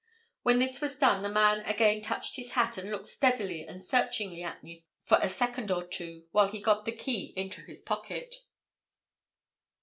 When this was done, the man again touched his hat, and looked steadily and searchingly at me for a second or so, while he got the key into his pocket.